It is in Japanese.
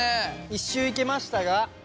一周いけましたが。